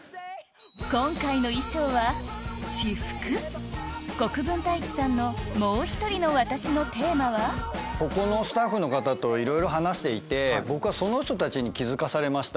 今回の衣装は私服国分太一さんのここのスタッフの方といろいろ話していて僕はその人たちに気付かされました。